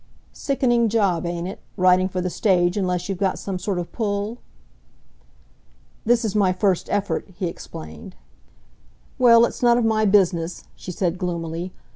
"Sickening job, ain't it, writing for the stage unless you've got some sort of pull?" "This is my first effort," he explained. "Well, it's none of my business," she said gloomily.